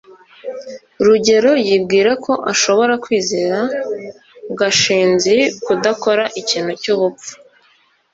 rugeyo yibwira ko ashobora kwizera gashinzi kudakora ikintu cyubupfu